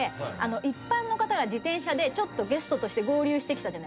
一般の方が自転車でゲストとして合流してきたじゃないですか。